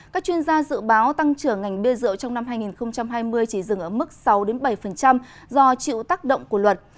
các chuyên gia dự báo tăng trưởng ngành bia rượu trong năm hai nghìn hai mươi chỉ dừng ở mức sáu bảy do chịu tác động của luật